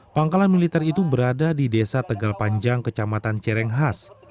pangkalan militer itu berada di desa tegal panjang kecamatan cerenghas